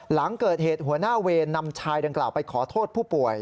หลังเกิดเหตุหัวหน้าเวรนำชายดังกล่าวไปขอโทษผู้ป่วย